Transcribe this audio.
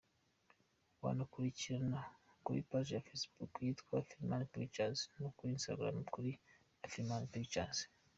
Wanabakurikirana kuri page ya Facebook yitwa Afrifame Pictures no kuri Instagram kuri AfrifamePictures.